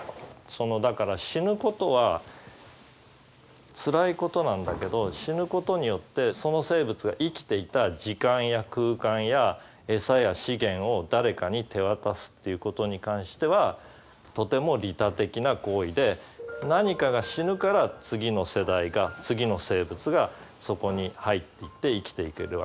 そのだから死ぬことはつらいことなんだけど死ぬことによってその生物が生きていた時間や空間や餌や資源を誰かに手渡すっていうことに関してはとても利他的な行為で何かが死ぬから次の世代が次の生物がそこに入って生きていけるわけね。